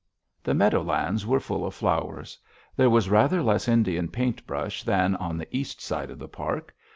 The meadow lands were full of flowers. There was rather less Indian paint brush than on the east side of the park.